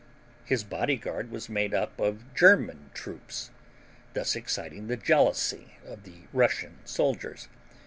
His bodyguard was made up of German troops thus exciting the jealousy of the Russian soldiers.